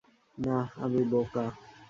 নাহ, আমি বোকা।